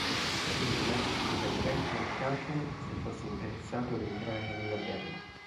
Quinn chiese a Bert McCracken se fosse interessato ad entrare nella band.